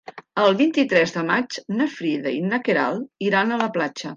El vint-i-tres de maig na Frida i na Queralt iran a la platja.